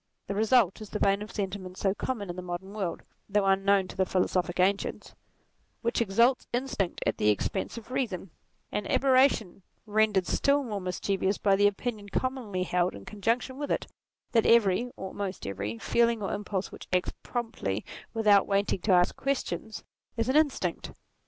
The result is the vein of senti ment so common in the modern world (though unknown to the philosophic ancients) which exalts instinct at the expense of reason ; an aberration rendered still more mischievous by the opinion commonly held in con junction with it, that every, or almost every, feeling or impulse which acts promptly without waiting to ask questions, is an instinct.